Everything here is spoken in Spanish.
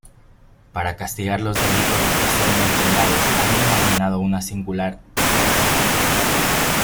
Para castigar los delitos especialmente graves había imaginado una singular ordalía.